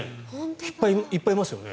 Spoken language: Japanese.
いっぱいいますよね。